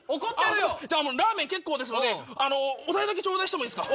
じゃあラーメン結構ですのでお代だけ頂戴してもいいっすか？